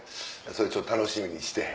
それちょっと楽しみにして。